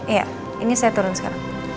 iya ini saya turun sekarang